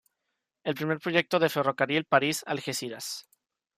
El primer proyecto de ferrocarril París-Algeciras.